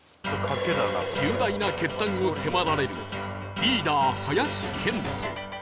重大な決断を迫られるリーダー林遣都